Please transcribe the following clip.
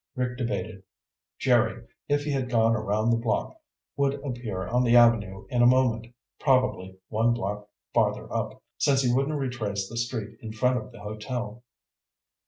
Rick debated. Jerry, if he had gone around the block, would appear on the avenue in a moment, probably one block farther up, since he wouldn't retrace the street in front of the hotel.